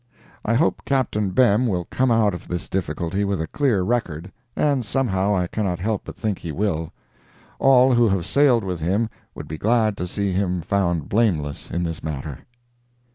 I hope Captain Behm will come out of this difficulty with a clear record, and somehow I cannot help but think he will. All who have sailed with him would be glad to see him found blameless in this matter.